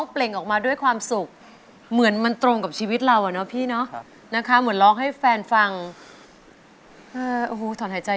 เป็นอย่าชบใจคนชน